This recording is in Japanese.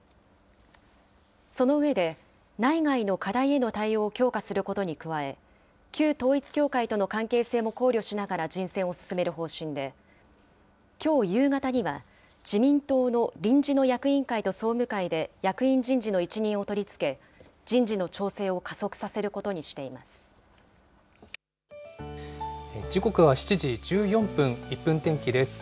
その上で、内外の課題への対応を強化することに加え、旧統一教会との関係性も考慮しながら人選を進める方針で、きょう夕方には、自民党の臨時の役員会と総務会で役員人事の一任をとりつけ、人事の調整を加速させることにしてい時刻は７時１４分、１分天気です。